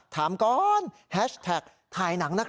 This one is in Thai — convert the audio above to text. ถามก่อนแฮชแท็กถ่ายหนังนะคะ